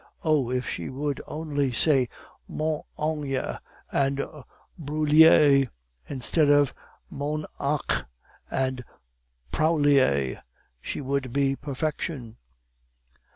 Oh, if she would only say mon ange and brouiller instead of mon anche and prouiller, she would be perfection!